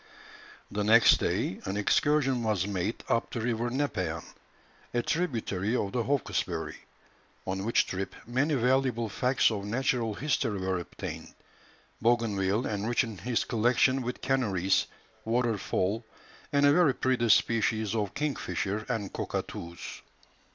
The next day, an excursion was made up the river Nepean, a tributary of the Hawkesbury, on which trip many valuable facts of natural history were obtained, Bougainville enriching his collection with canaries, waterfowl, and a very pretty species of kingfisher and cockatoos.